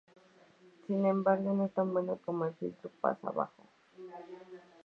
Sin embargo, no es tan bueno como el filtro pasa bajo.